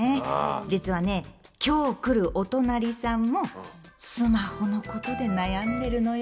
実はね今日来るおとなりさんもスマホのことで悩んでるのよ。